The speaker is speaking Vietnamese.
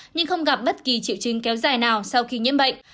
nhưng không gặp bất kỳ triệu chứng kéo dài nào sau khi nhiễm bệnh